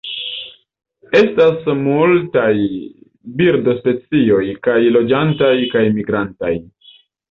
Estas multaj birdospecioj, kaj loĝantaj kaj migrantaj.